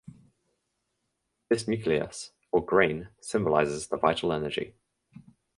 This nucleus or "grain" symbolizes the vital energy.